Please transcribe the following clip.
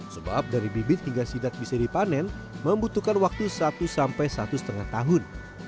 sebab dari bibit hingga sidap bisa dipanen membutuhkan waktu satu sampai satu lima tahun